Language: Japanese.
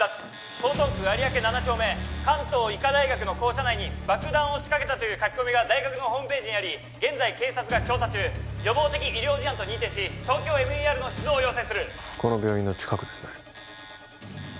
江東区有明７丁目関東医科大学の校舎内に爆弾を仕掛けたという書き込みが大学のホームページにあり現在警察が調査中予防的医療事案と認定しＴＯＫＹＯＭＥＲの出動を要請するこの病院の近くですね